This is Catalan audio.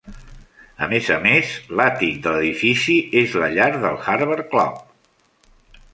A més a més, l'àtic de l'edifici és la llar del Harvard Club.